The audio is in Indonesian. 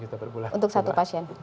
untuk satu pasien